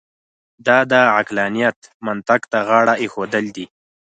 دا د عقلانیت منطق ته غاړه اېښودل دي.